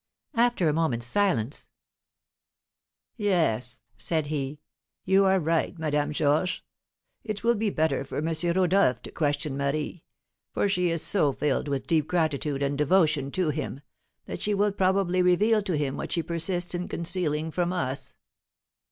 After a moment's silence: "Yes," said he, "you are right, Madame Georges; it will be better for M. Rodolph to question Marie, for she is so filled with deep gratitude and devotion to him, that she will probably reveal to him what she persists in concealing from us."